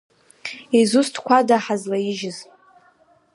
Изусҭқәада ҳазлаижьыз.